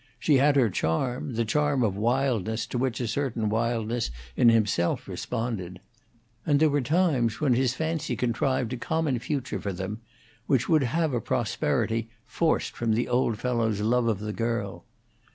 She had her charm; the charm of wildness to which a certain wildness in himself responded; and there were times when his fancy contrived a common future for them, which would have a prosperity forced from the old fellow's love of the girl.